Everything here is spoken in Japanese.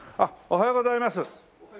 おはようございます。